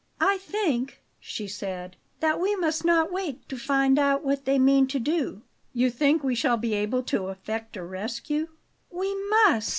"I think," she said; "that we must not wait to find out what they mean to do." "You think we shall be able to effect a rescue?" "We MUST."